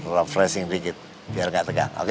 refreshing dikit biar gak tegang oke